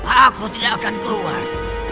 aku tidak akan keluar